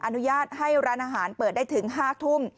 อนุญาตให้ร้านอาหารเปิดได้ถึง๕ทุ่ม